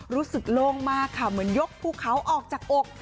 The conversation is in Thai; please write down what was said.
รู้สึกโล่งมากค่ะเหมือนยกผู้เขาออกจากอก